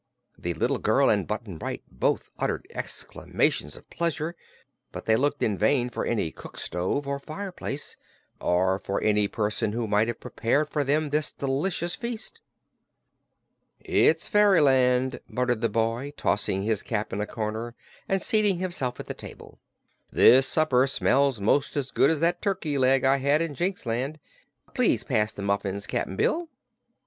The little girl and Button Bright both uttered exclamations of pleasure, but they looked in vain for any cook stove or fireplace, or for any person who might have prepared for them this delicious feast. "It's fairyland," muttered the boy, tossing his cap in a corner and seating himself at the table. "This supper smells 'most as good as that turkey leg I had in Jinxland. Please pass the muffins, Cap'n Bill."